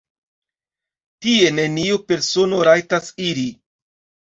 Tie neniu persono rajtas iri.